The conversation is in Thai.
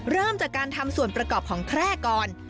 เริ่มจากการทำส่วนประกอบของแคร่ก่อน